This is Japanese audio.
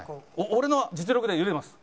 俺の実力で茹でます。